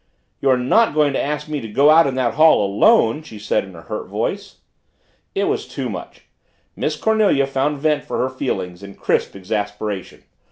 "You're not going to ask me to go out in that hall alone?" she said in a hurt voice. It was too much. Miss Cornelia found vent for her feelings in crisp exasperation.